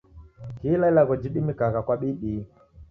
Kila ilagho jidimikana kwa bidii.